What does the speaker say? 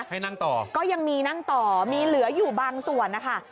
ให้นั่งต่อก็ยังมีนั่งต่อมีเหลืออยู่บางส่วนนะคะ